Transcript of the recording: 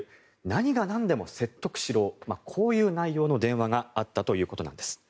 何が何でも説得しろとこういう内容の電話があったということです。